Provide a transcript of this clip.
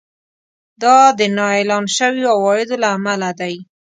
دا د نااعلان شويو عوایدو له امله دی